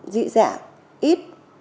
dị dạng ít